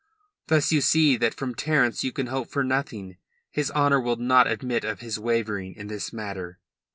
"Thus you see that from Terence you can hope for nothing. His honour will not admit of his wavering in this matter."